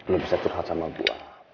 lu bisa terhad sama gua